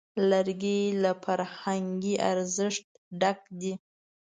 لرګی له فرهنګي ارزښت ډک دی.